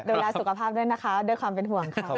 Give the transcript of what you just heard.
ดูแลสุขภาพด้วยนะคะด้วยความเป็นห่วงค่ะ